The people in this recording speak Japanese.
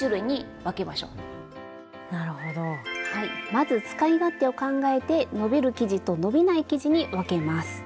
まず使い勝手を考えて伸びる生地と伸びない生地に分けます。